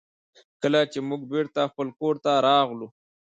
کله چې موږ بېرته خپل کور ته راغلو.